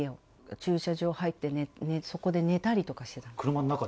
駐車場入ってそこで寝たりとかし車の中で？